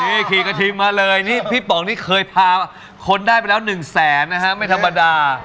นี่ขี่กระทิงมาเลยนี่พี่ป๋องนี่เคยพาคนได้ไปแล้ว๑แสนนะฮะไม่ธรรมดา